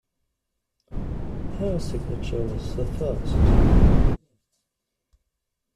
Her signature was the first.